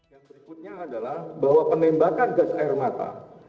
yang berikutnya adalah bahwa penembakan gas air mata